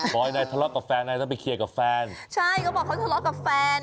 พอยนายทะเลาะกับแฟนนายต้องไปเคลียร์กับแฟนใช่เขาบอกเขาทะเลาะกับแฟน